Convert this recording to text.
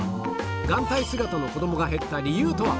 眼帯姿の子どもが減った理由とは？